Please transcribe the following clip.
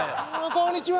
「こんにちは」。